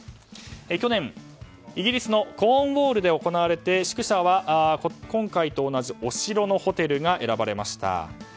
去年、イギリスのコーンウォールで行われて宿舎は今回と同じお城のホテルが選ばれました。